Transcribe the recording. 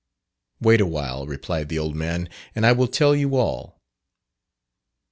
"Wait a while," replied the old man, "and I will tell you all."